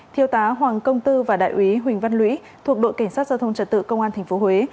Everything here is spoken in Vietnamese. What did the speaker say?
thiêu tá hoàng công tư và đại úy huỳnh văn lũy thuộc đội cảnh sát giao thông trật tự công an tp huế